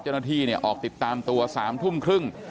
เจ้าหน้าที่ออกติดตามตัว๓ทุ่มครึ่ง